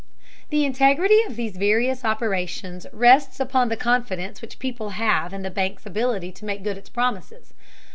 The integrity of these various operations rests upon the confidence which people have in the bank's ability to make good its promises.